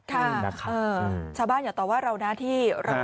ค่ะชาวบ้านอย่าตอบว่าเรานะที่เรา